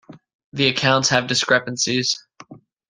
The accounts have discrepancies.